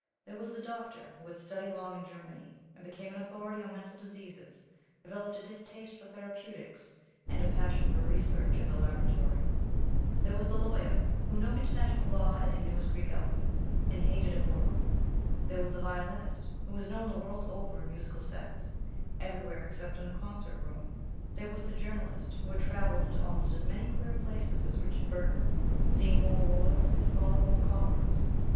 There was the Doctor, who had studied long in Germany, and become an authority on mental diseases, developed a distaste for therapeutics, and a passion for research and the laboratory. There was the Lawyer, who knew international law as he knew his Greek alphabet, and hated a court room. There was the Violinist, who was known the world over in musical sets, everywhere, except in the concert room. There was the Journalist, who had travelled into almost as many queer places as Richard Burton, seen more wars, and followed more callings.